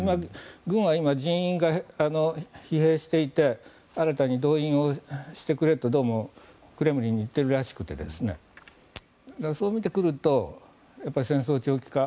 軍は今、人員が疲弊していて新たに動員をしてくれとどうもクレムリンに言っているらしくてそう見てくると戦争長期化